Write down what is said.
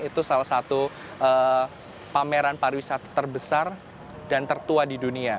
itu salah satu pameran pariwisata terbesar dan tertua di dunia